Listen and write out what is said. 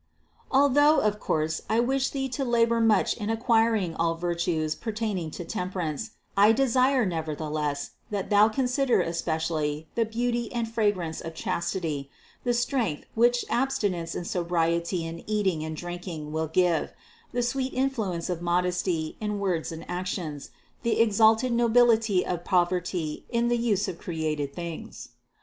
597. Although of course I wish thee to labor much in acquiring all virtues pertaining to temperance, I desire nevertheless that thou consider especially the beauty and fragrance of chastity, the strength which abstinence and sobriety in eating and drinking will give, the sweet in fluence of modesty in words and actions, the exalted no bility of poverty in the use of created things.